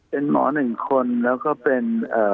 เป็นหมอ๑คนแล้วก็เป็น